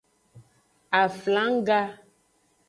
Aflangga.